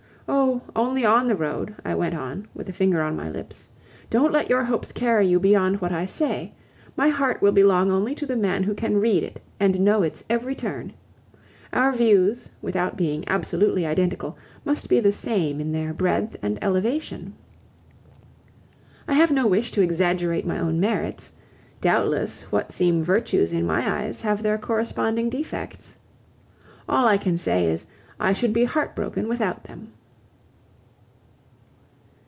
Oh! only on the road," I went on, with a finger on my lips. "Don't let your hopes carry you beyond what I say. My heart will belong only to the man who can read it and know its every turn. Our views, without being absolutely identical, must be the same in their breadth and elevation. I have no wish to exaggerate my own merits; doubtless what seem virtues in my eyes have their corresponding defects. All I can say is, I should be heartbroken without them."